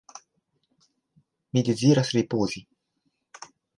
Mi deziras ripozi.